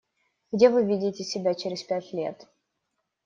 Где вы видите себя через пять лет?